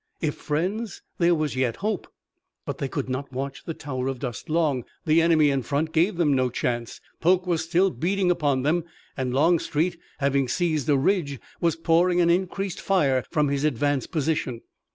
If friends there was yet hope! But they could not watch the tower of dust long. The enemy in front gave them no chance. Polk was still beating upon them, and Longstreet, having seized a ridge, was pouring an increased fire from his advanced position.